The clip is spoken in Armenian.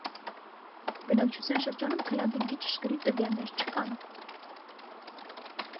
Բնակչության շրջանում քլաբինգի ճշգրիտ տվյալներ չկան։